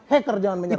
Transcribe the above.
hacker jangan menyerang